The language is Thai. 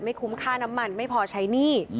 คุ้มค่าน้ำมันไม่พอใช้หนี้